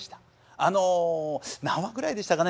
あの何話ぐらいでしたかね。